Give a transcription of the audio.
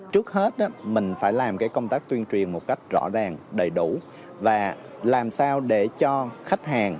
trước hết mình phải làm công tác tuyên truyền một cách rõ ràng đầy đủ và làm sao để cho khách hàng